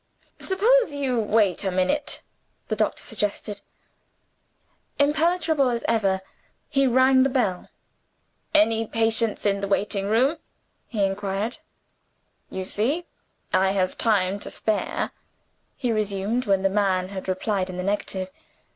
"Suppose you wait a minute?" the doctor suggested. Impenetrable as ever, he rang the bell. "Any patients in the waiting room?" he inquired. "You see I have time to spare," he resumed, when the man had replied in the negative.